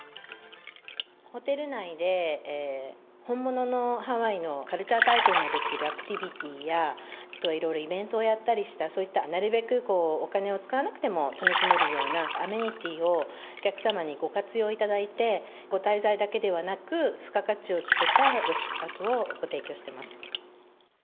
ホテル内で、本物のハワイのカルチャー体験ができるアクティビティや、いろいろイベントをやったりして、そういった、なるべくお金を使わなくても楽しめるような、アメニティをお客様にご活用いただいて、ご滞在だけではなく、付加価値をつけたご宿泊をご提供しています。